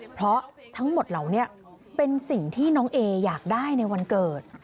เพราะทั้งหมดเหล่านี้เป็นสิ่งที่น้องเออยากได้ในวันเกิด